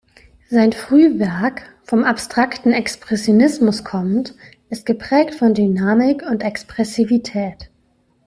Sein Frühwerk, vom abstrakten Expressionismus kommend, ist geprägt von Dynamik und Expressivität.